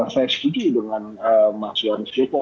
saya sikiji dengan mas yoris yopo